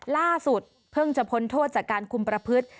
ล่าสุดเพิ่งจะพ้นโทษจากการคุมประพฤติ